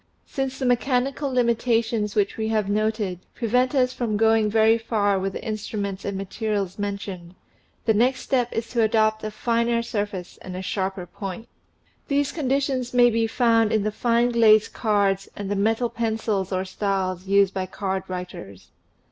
Since the mechanical limitations which we have noted prevent us from going very far with the instruments and materials mentioned, the next step is to adopt a finer sur face and a sharper point. These conditions may be found in the fine glazed cards and the metal pencils or styles used by card writers.